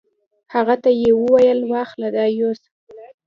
هغه ته یې وویل: واخله دا یوسه.